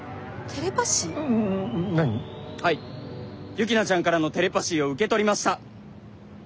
ユキナちゃんからのテレパシーを受け取りました！